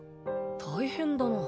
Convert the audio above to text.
大変だなぁ。